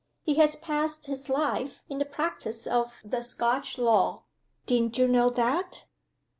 He has passed his life in the practice of the Scotch law. Didn't you know that?"